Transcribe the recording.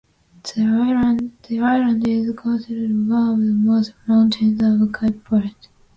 The island is considered one of the most mountainous of Cape Verde.